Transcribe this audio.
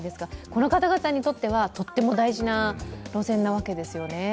この方々にとっては、とっても大事な路線なわけですよね。